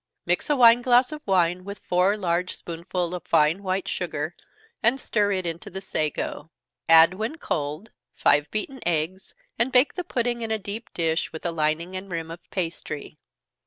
Mix a wine glass of wine with four large spoonsful of fine white sugar, and stir it into the sago add, when cold, five beaten eggs, and bake the pudding in a deep dish, with a lining and rim of pastry.